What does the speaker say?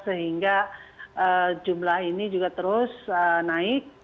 sehingga jumlah ini juga terus naik